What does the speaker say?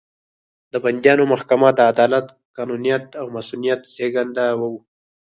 د بندیانو محاکمه د عدالت، قانونیت او مصونیت زېږنده وو.